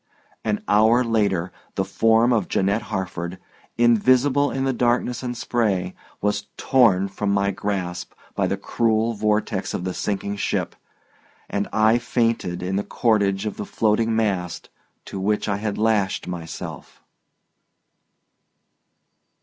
An hour later the form of Janette Harford, invisible in the darkness and spray, was torn from my grasp by the cruel vortex of the sinking ship, and I fainted in the cordage of the floating mast to which I had lashed myself.